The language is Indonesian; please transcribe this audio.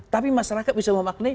tapi masyarakat bisa memaknai